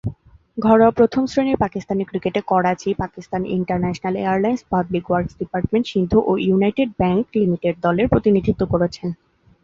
ঘরোয়া প্রথম-শ্রেণীর পাকিস্তানি ক্রিকেটে Karachi, Pakistan international airlines, public works department, Sindh ও ইউনাইটেড ব্যাংক লিমিটেড দলের প্রতিনিধিত্ব করেছেন।